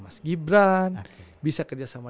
mas gibran bisa kerjasama